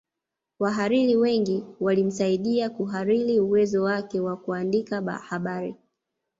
Wahariri wengi walimsaidia kuhariri uwezo wake wa kuandika habari